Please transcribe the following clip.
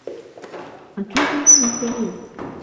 — А кӧ войнам сеҥен?